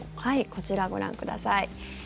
こちらご覧ください。